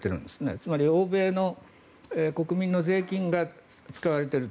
つまり、欧米の国民の税金が使われていると。